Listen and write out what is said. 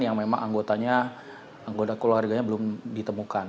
yang memang anggotanya anggota keluarganya belum ditemukan